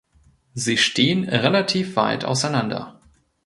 Sie stehen relativ weit auseinander.